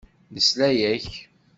Nesla-ak.